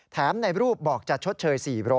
ในรูปบอกจะชดเชย๔๐๐